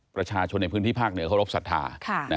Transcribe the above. ประชาชนในพื้นที่ภาคเหนือเคารพสัทธา